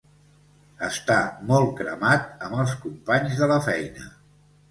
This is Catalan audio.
Està molt cremat amb els companys de la feina.